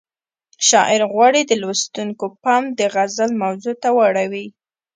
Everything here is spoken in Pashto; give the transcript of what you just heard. شاعر غواړي د لوستونکو پام د غزل موضوع ته واړوي.